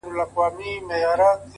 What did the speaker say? پرمختګ دوامداره حرکت غواړي؛